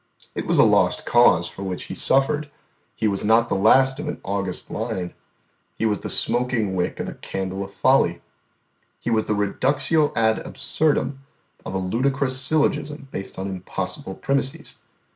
It was a lost cause for which He suffered; He was not the last of an august line, He was the smoking wick of a candle of folly; He was the reductio ad absurdam of a ludicrous syllogism based on impossible premises.